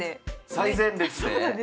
最前列で？